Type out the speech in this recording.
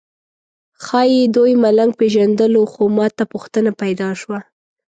ښایي دوی ملنګ پېژندلو خو ماته پوښتنه پیدا شوه.